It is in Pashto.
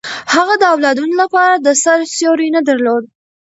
هغه د اولادونو لپاره د سر سیوری نه درلود.